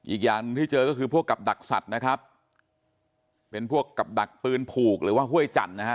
อีกอย่างหนึ่งที่เจอก็คือพวกกับดักสัตว์นะครับเป็นพวกกับดักปืนผูกหรือว่าห้วยจันทร์นะฮะ